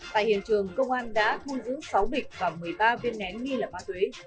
tại hiện trường công an đã thu giữ sáu bịch và một mươi ba viên nén nghi là ma túy